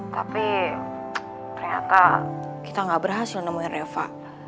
tapi ternyata kita gak berhasil nemuin reva